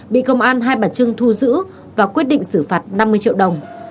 bị công an hai bà trưng thu giữ và quyết định xử phạt năm mươi triệu đồng